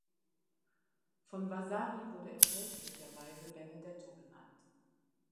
Von Vasari wurde er fälschlicherweise "Benedetto" genannt.